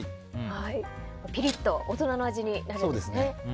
ピリッと大人の味になるんですね。